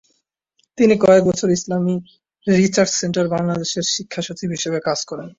তিনি কয়েক বছর ইসলামিক রিসার্চ সেন্টার বাংলাদেশের শিক্ষা সচিব হিসেবে কাজ করেন।